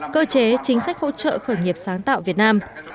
cơ chế chính sách hỗ trợ khởi nghiệp sáng tạo việt nam